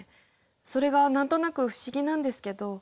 それが何となく不思議なんですけど。